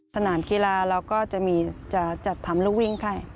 สนามกีฬาเราก็จะมีจะจัดทำลูกวิ่งให้